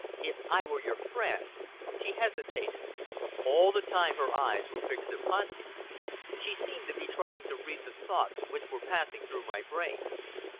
If I were your friend " She hesitated. All the time her eyes were fixed upon me. She seemed to be trying to read the thoughts which were passing through my brain.